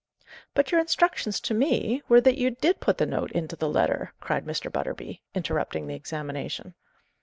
"But your instructions to me were that you did put the note into the letter," cried Mr. Butterby, interrupting the examination.